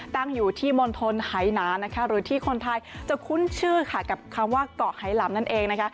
ต้องอยู่ที่มณฑนห้ายหนาหรือที่คนไทยจะคุ้นชื่อกบคำว่าก๋าไหล่นั่นเอง